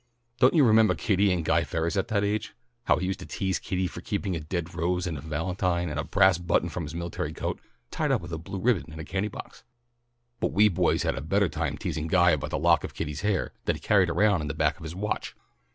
"Don't you remembah Kitty and Guy Ferris at that age? How we used to tease Kitty for keeping a dead rose and a valentine and a brass button from his military coat, tied up with a blue ribbon in a candy box?" "But we boys had a better time teasing Guy about the lock of Kitty's hair that he carried around in the back of his watch.